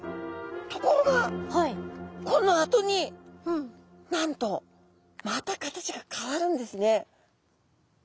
ところがこのあとになんとまた形が変わるんですね。